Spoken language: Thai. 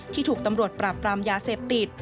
ถูกตำรวจปราบปรามยาเสพติด